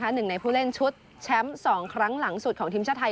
หนึ่งในผู้เล่นชุดแชมป์๒ครั้งหลังสุดของทีมชาติไทย